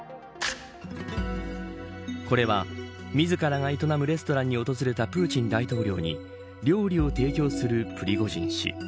これは、自らが営むレストランに訪れたプーチン大統領に料理を提供するプリゴジン氏。